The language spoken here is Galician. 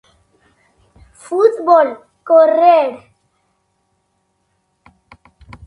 Fútbol, correr.